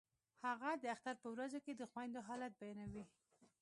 هغه د اختر په ورځو کې د خویندو حالت بیانوي